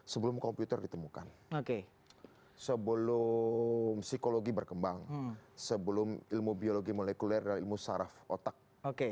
sebelum komputer ditemukan sebelum psikologi berkembang sebelum ilmu biologi molekuler dan ilmu saraf otak